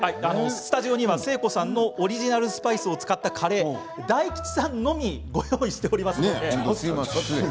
スタジオには誠子さん、オリジナルスパイスを使ったカレー大吉さんのみご用意しております。